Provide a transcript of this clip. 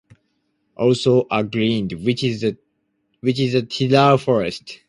Also a "griend" which is a tidal forest.